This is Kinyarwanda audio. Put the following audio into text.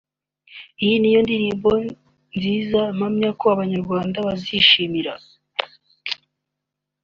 nayo ni indirimbo nziza mpamya ko abanyarwanda bazishimira